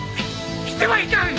来てはいかん！